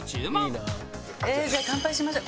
じゃあ乾杯しましょう。